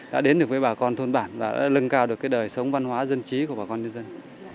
đã đến được với bà con thôn bản và lưng cao được đời sống văn hóa dân trí của bà con nhân dân